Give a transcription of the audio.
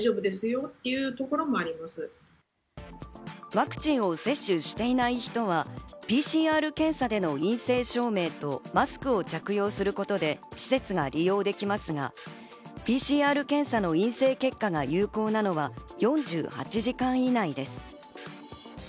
ワクチンを接種していない人はＰＣＲ検査での陰性証明とマスクを着用することで施設が利用できますが、ＰＣＲ検査の陰性結果が有効なのは４８時間以内です。